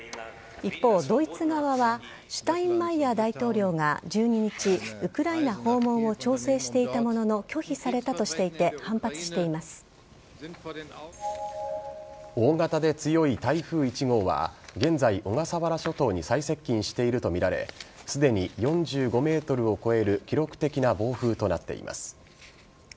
一方、ドイツ側はシュタインマイヤー大統領が１２日ウクライナ訪問を調整していたものの拒否されたとしていて大型で強い台風１号は現在、小笠原諸島に最接近しているとみられすでに４５メートルを超える記録的な暴風となっています。